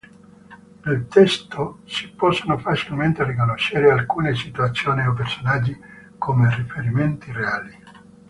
Nel testo si possono facilmente riconoscere alcune situazioni o personaggi come riferimenti reali.